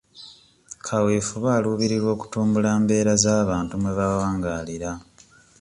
Kaweefube aluubirira okutumbula mbeera z'abantu mwe bawangaalira.